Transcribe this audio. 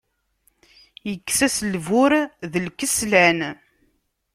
Ikkes-as lbur d lkeslan.